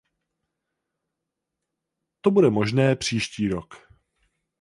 To bude možné příští rok.